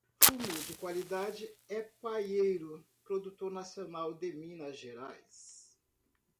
Fumo de qualidade é paiero, produto nacional de Minas Gerais